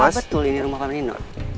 apakah betul ini rumah pak nino